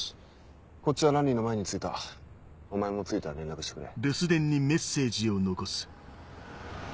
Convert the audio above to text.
こっちはランリーの前に着いたお前も着いたら連絡してくれ。